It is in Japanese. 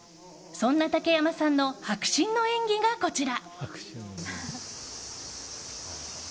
そんな竹山さんの迫真の演技がこちら。